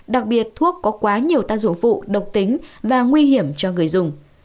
đặc biệt thuốc có quá nhiều tác dụng phụ độc tính và nguy hiểm cho người dùng